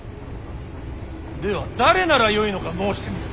では誰ならよいのか申してみよ。